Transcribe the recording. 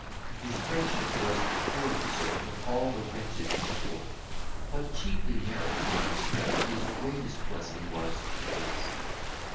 His friendship was the sure resort Of all the wretched at the court; But chiefly merit in distress His greatest blessing was to bless.